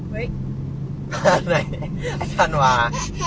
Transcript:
บ้านไหนไอ้ชันว่า